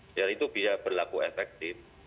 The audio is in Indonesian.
jadi itu biar berlaku efektif